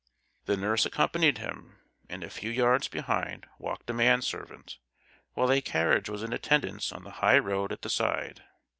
The nurse accompanied him, and a few yards behind walked a manservant, while a carriage was in attendance on the high road at the side.